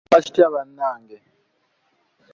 Kino kisoboka kitya bannange?